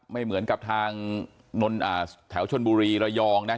ไม่เหมือนกับทางแถวชนบุรีระยองนะ